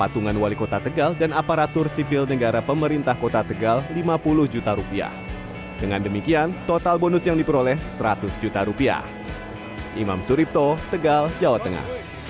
pertandingan semifinal atifa berhasil mengalahkan peserta dari uzbekistan dan pada babak final menang atas tuan rumah malaysia